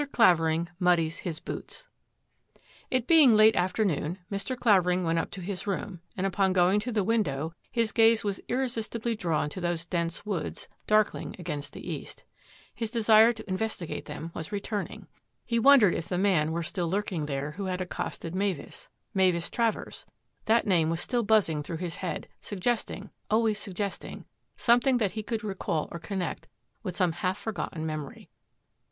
CLAVERING MUDDIES HIS BOOTS it It being late afternoon, Mr. Clavering went up to his room, and upon going to the window, his gaze was irresistibly drawn to those dense woods, darkling against the east. His desire to mvesti gate them was returning. He wondered if the man were still lurking there who had accosted Mavis — Mavis Travers — that name was still buzzing through his head, suggesting, always suggesting, something that he should recall or connect with some half forgotten memory.